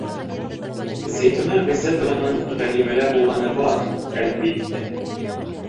Зәйтүнә Ғиззәтованың Ғәлимәлә булғаны бар, әлбиттә.